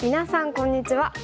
こんにちは。